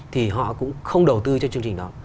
thì họ cũng không đầu tư cho chương trình đó